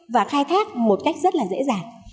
và khai thác một cách rất là dễ dàng